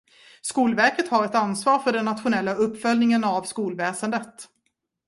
Skolverket har ett ansvar för den nationella uppföljningen av skolväsendet.